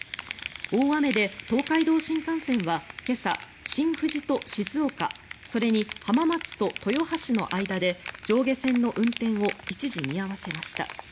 大雨で東海道新幹線は今朝新富士と静岡それに浜松と豊橋の間で上下線の運転を一時見合わせました。